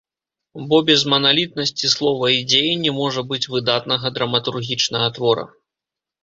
Бо без маналітнасці слова і дзеі не можа быць выдатнага драматургічнага твора.